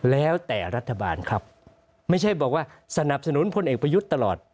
แล้วแต่รัฐบาลครับไม่ใช่บอกว่าสนับสนุนพลเอกประยุทธ์ตลอด